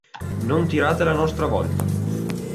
Non tirate alla nostra volta!